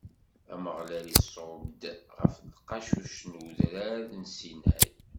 Ameɣlal iṣubb-d ɣef tqacuct n udrar n Sinay.